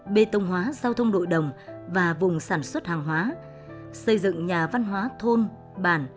bê tông hóa giao thông nội đồng và vùng sản xuất hàng hóa xây dựng nhà văn hóa thôn bản